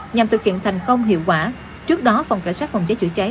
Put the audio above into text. nhằm thực hiện thành công hiệu quả trước đó phòng cảnh sát phòng cháy chữa cháy